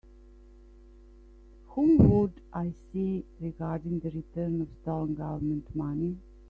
Whom would I see regarding the return of stolen Government money?